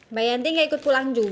mbak yanti gak ikut pulang juga